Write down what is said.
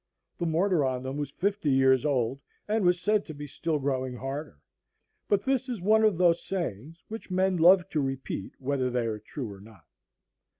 The mortar on them was fifty years old, and was said to be still growing harder; but this is one of those sayings which men love to repeat whether they are true or not.